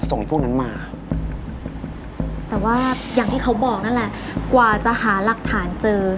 ไอ้พวกนั้นมาแต่ว่าอย่างที่เขาบอกนั่นแหละกว่าจะหาหลักฐานเจอ